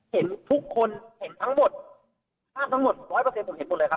เห็นทุกคนเห็นทั้งหมดภาพทั้งหมดร้อยเปอร์เซ็นผมเห็นหมดเลยครับ